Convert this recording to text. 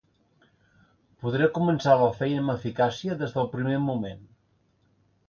Podré començar la feina amb eficàcia des del primer moment.